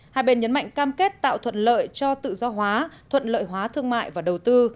hai bên nhấn mạnh cam kết tạo thuận lợi cho tự do hóa thuận lợi hóa thương mại và đầu tư